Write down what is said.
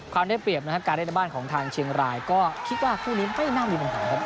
ได้เปรียบนะครับการเล่นในบ้านของทางเชียงรายก็คิดว่าคู่นี้ไม่น่ามีปัญหาครับ